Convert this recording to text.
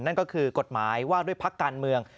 นั่นก็คือกฎหมายว่าด้วยพักการเมือง